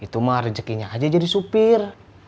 itu mah rezekinya aja jadi supir